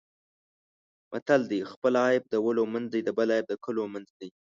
متل دی: خپل عیب د ولو منځ د بل عیب د کلو منځ دی.